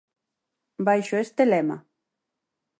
Baixo este lema.